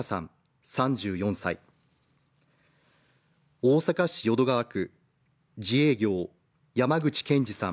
大阪市淀川区、自営業・山口健二さん